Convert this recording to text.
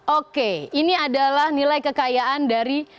oke ini adalah nilai kekayaan dari